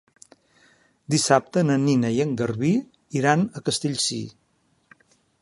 Dissabte na Nina i en Garbí iran a Castellcir.